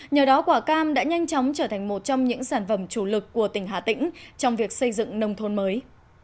nhờ đó quả cam đã nhanh chóng trở thành một trong những sản phẩm chủ lực của tỉnh hà tĩnh trong việc xây dựng nông thôn mới